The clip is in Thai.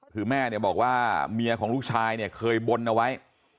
คือแม่เนี่ยบอกว่าเมียของลูกชายเนี่ยเคยบนเอาไว้